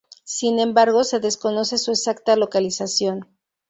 Sin embargo, se desconoce su exacta localización.